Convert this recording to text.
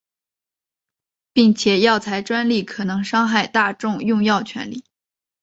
并且药材专利可能伤害大众用药权利。